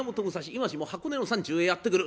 今しも箱根の山中へやって来る。